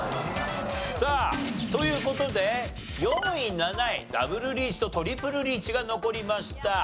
さあという事で４位７位ダブルリーチとトリプルリーチが残りました。